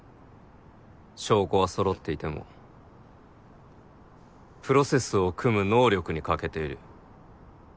証拠は揃っていてもプロセスを組む能力に欠けている。